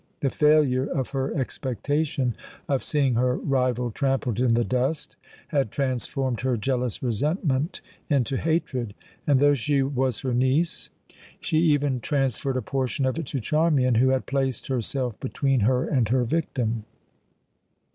The failure of her expectation of seeing her rival trampled in the dust had transformed her jealous resentment into hatred, and though she was her niece, she even transferred a portion of it to Charmian, who had placed herself between her and her victim.